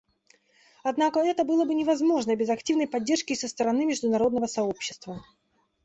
Однако это было бы невозможно без активной поддержки со стороны международного сообщества.